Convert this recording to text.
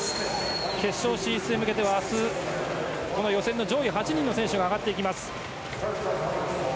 決勝進出に向けては明日、上位８人の選手が上がっていきます。